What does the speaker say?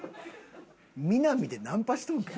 ミナミでナンパしとんか？